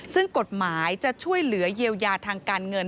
ซึ่งกฎหมายจะช่วยเหลือเยียวยาทางการเงิน